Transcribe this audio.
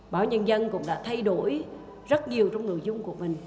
báo nhân dân cũng đã thay đổi rất nhiều trong nội dung